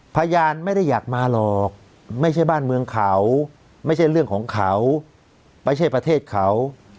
พยานไม่ได้อยากมาหรอกไม่ใช่บ้านเมืองเขาไม่ใช่เรื่องของเขาไม่ใช่ประเทศเขา